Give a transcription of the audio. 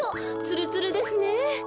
つるつるですね。